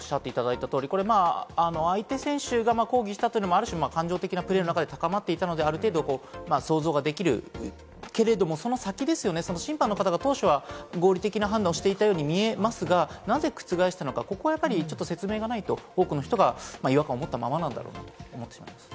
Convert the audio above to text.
相手選手が抗議したというのもある種、感情的なプレーの中で高まっていったので、ある程度は想像ができるけれども、その先ですよね、審判の方が当初は合理的な判断をしていたように見えますが、なぜ覆したのか、ここは説明がないと、多くの人が違和感を持ったままなんだろうなと思ってしまいますね。